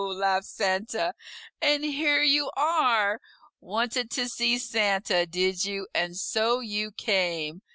laughed Santa, "and here you are! Wanted to see Santa, did you, and so you came!